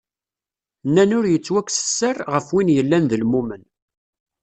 Nnan ur yettwakkes sser, ɣef win yellan d lmumen.